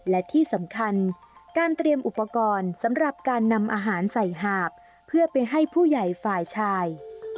และที่สำคัญการเตรียมอุปกรณ์สำหรับการนำอาหารใส่หาบเพื่อไปให้ผู้ใหญ่ฝ่ายชาย